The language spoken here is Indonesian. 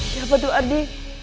siapa tuh adi